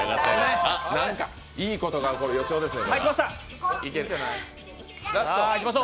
いいことが起こる予兆ですよ。